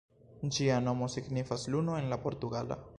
Ĝia nomo signifas "luno" en la portugala.